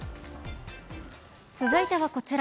続いてはこちら。